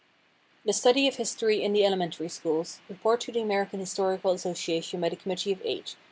["The Study of History in the Elementary Schools Report to the American Historical Association by the Committee of Eight."